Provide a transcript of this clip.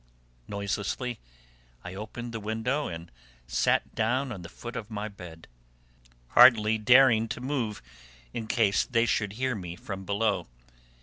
Noiselessly I opened the window and sat down on the foot of my bed; hardly daring to move in case they should hear me from below.